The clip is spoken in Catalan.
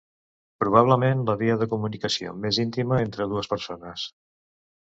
Probablement, la via de comunicació més íntima entre dues persones.